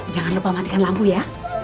jangan lupa matikan lampu ya